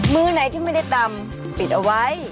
มือไหนที่ไม่ได้ตำปิดเอาไว้